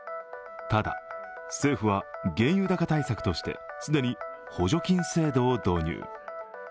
ただ、政府は原油高対策として既に補助金制度を導入。